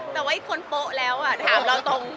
แต่ไอคนโปแล้วที่ถามเราตรง